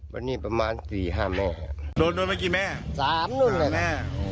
วันนี้ประมาณสี่ห้าแม่โดนรุ่นเมื่อกี้แม่สามรุ่นเลยแม่